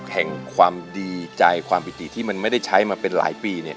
แห่งความดีใจความปิติที่มันไม่ได้ใช้มาเป็นหลายปี